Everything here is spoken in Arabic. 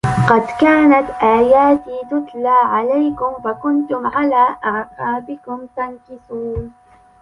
قَدْ كَانَتْ آيَاتِي تُتْلَى عَلَيْكُمْ فَكُنْتُمْ عَلَى أَعْقَابِكُمْ تَنْكِصُونَ